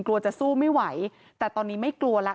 กลัวจะสู้ไม่ไหวแต่ตอนนี้ไม่กลัวแล้ว